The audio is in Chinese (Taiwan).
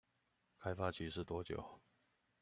開發期是多久？